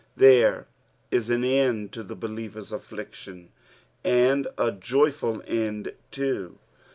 There is an end to the believer's affliction, and a joyful end too.